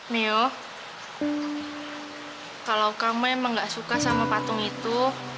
neo kalau kamu emang gak suka sama patung itu